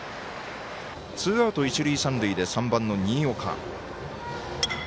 ツーアウト、一塁三塁で３番の新岡。